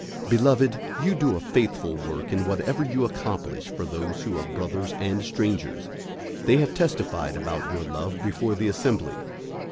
001:005 Beloved, you do a faithful work in whatever you accomplish for those who are brothers and strangers. 001:006 They have testified about your love before the assembly.